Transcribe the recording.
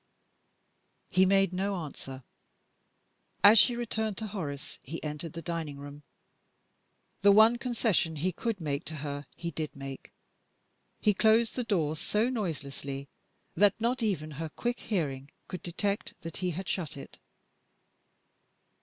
He made no answer. As she returned to Horace he entered the dining room. The one concession he could make to her he did make. He closed the door so noiselessly that not even her quick hearing could detect that he had shut it.